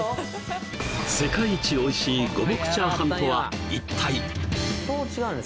世界一おいしい五目チャーハンとは一体？